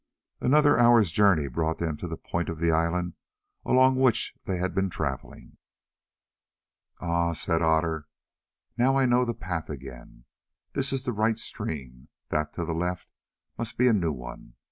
Another hour's journey brought them to the point of the island along which they had been travelling. "Ah," said Otter, "now I know the path again. This is the right stream, that to the left must be a new one.